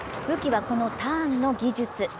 武器はこのターンの技術。